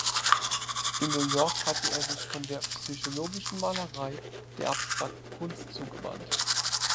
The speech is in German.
In New York hatte er sich von der „psychologischen Malerei“ der abstrakten Kunst zugewandt.